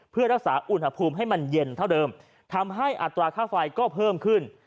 เพื่อรักษาอุณหภูมิให้มันเย็นเท่าเดิมทำให้อัตราค่าไฟก็เพิ่มขึ้น